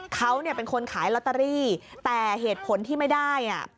เขาเนี่ยเป็นคนขายลอตเตอรี่แต่เหตุผลที่ไม่ได้